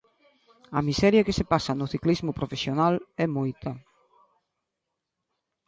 A miseria que se pasa no ciclismo profesional é moita.